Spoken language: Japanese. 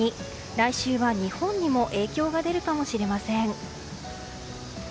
来週は日本にも影響が出るかもしれません。